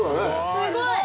すごい。